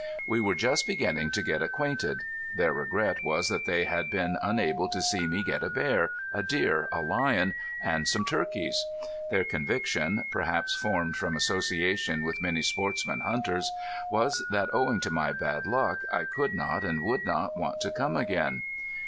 We were just beginning to get acquainted. Their regret was that they had been unable to see me get a bear, a deer, a lion, and some turkeys. Their conviction, perhaps formed from association with many sportsman hunters, was that owing to my bad luck I could not and would not want to come again.